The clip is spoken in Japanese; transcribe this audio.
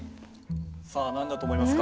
さあ何だと思いますか？